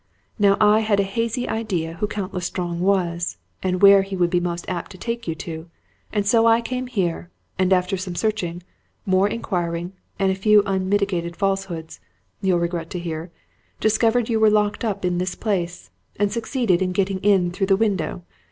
Now I had a hazy idea who Count L'Estrange was, and where he would be most apt to take you to; and so I came here, and after some searching, more inquiring, and a few unmitigated falsehoods (you'll regret to hear), discovered you were locked up in this place, and succeeded in getting in through the window.